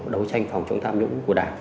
đấu tranh phòng chống tham nhũng của đảng